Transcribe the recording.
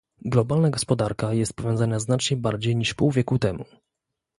Globalna gospodarka jest powiązana znacznie bardziej niż pół wieku temu